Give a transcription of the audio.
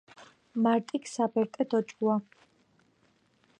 მარტიქ საბერტე დოჭუა